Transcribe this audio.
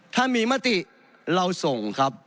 ถ้ามีมติเราส่งครับ